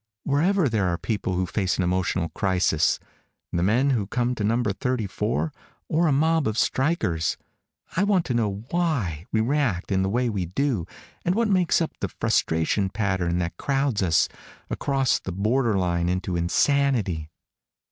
"Wherever there are people who face an emotional crisis the men who come to Number thirty four, or a mob of strikers. I want to know why we react in the way we do, and what makes up the frustration pattern that crowds us across the borderline into insanity."